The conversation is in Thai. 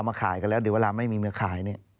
มาขายกันแล้วเดี๋ยวเวลาไม่มีมาขายเนี่ย